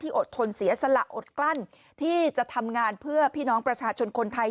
อดทนเสียสละอดกลั้นที่จะทำงานเพื่อพี่น้องประชาชนคนไทย